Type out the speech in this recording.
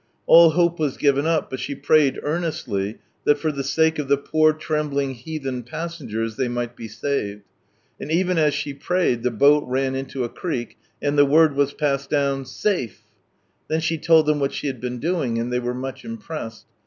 All hope was given up, but she prayed earnestly that, for the sake of the poor trembling heathen passengers, they might be saved. And even as she prayed, the boat ran into a creek, and the word was passed down " Safe I " Then she told them what she had been doing, and they were much impressed.